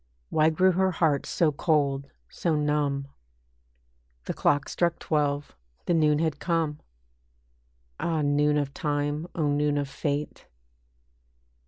Why grew her heart so cold, so numb? The clock struck twelve, the noon had come. Ah! noon of time! O noon of fate!